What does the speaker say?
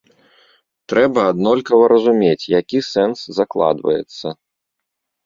Трэба аднолькава разумець, які сэнс закладваецца.